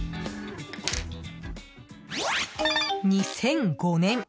２００５年！